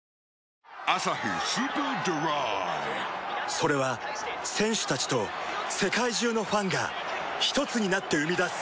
それは選手たちと世界中のファンがひとつになって生み出す